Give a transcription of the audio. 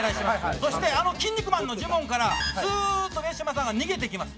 そして筋肉マンのジモンからスーッと上島さんが逃げていきます。